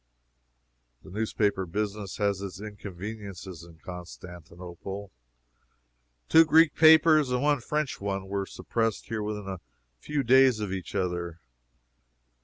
The newspaper business has its inconveniences in Constantinople. Two Greek papers and one French one were suppressed here within a few days of each other.